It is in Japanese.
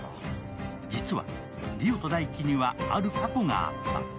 実は、梨央と大輝には、ある過去があった。